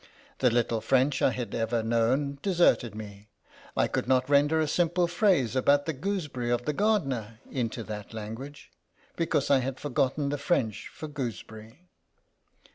The little French I had ever known deserted me; I could not render a simple phrase about the goose berry of the gardener into that language, because I had forgotten the French for gooseberry."